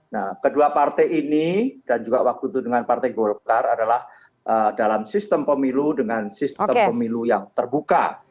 nah kedua partai ini dan juga waktu itu dengan partai golkar adalah dalam sistem pemilu dengan sistem pemilu yang terbuka